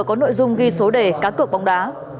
có nội dung ghi số đề cá cược bóng đá